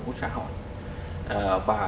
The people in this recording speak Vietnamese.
của xã hội và